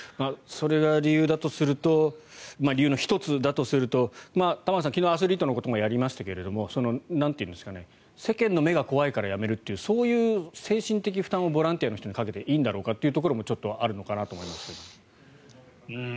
それが理由の１つだとすると玉川さん、昨日アスリートのこともやりましたが世間の目が怖いからやめるというそういう精神的負担をボランティアの人にかけていいんだろうかというところもちょっとあるのかなと思いますが。